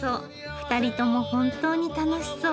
２人とも本当に楽しそう。